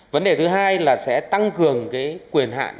vấn đề thứ hai là sẽ tăng cường cái quyền hạn